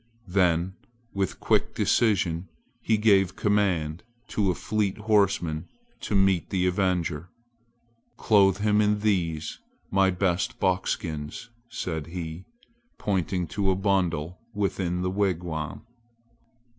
Then with quick decision he gave command to a fleet horseman to meet the avenger. "Clothe him in these my best buckskins," said he, pointing to a bundle within the wigwam.